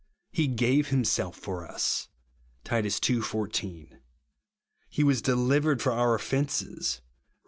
He gave himself for us," (Tit. ii. 14). " He was delivered for our offences," (Rom.